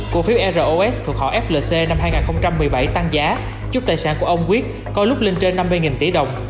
cổ phiếu ros thuộc họ flc năm hai nghìn một mươi bảy tăng giá giúp tài sản của ông quyết có lúc lên trên năm mươi tỷ đồng